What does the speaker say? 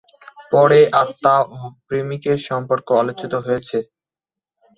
পরে আত্মা ও প্রেমিকের সম্পর্ক আলোচিত হয়েছে।